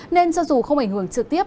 nên cho dù không ảnh hưởng trực tiếp